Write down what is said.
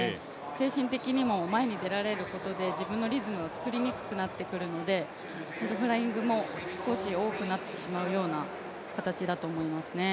精神的にも前に出られることで自分のリズムを作りにくくなってくるのでフライングも少し多くなってしまうような形だと思いますね。